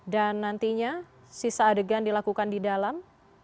dan nantinya sisa adegan dilakukan di dalam